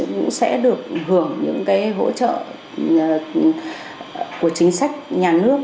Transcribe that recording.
cũng sẽ được hưởng những cái hỗ trợ của chính sách nhà nước